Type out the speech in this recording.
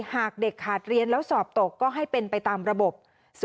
หากเด็กขาดเรียนแล้วสอบตกก็ให้เป็นไปตามระบบ